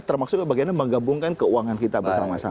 termasuk bagaimana menggabungkan keuangan kita bersama sama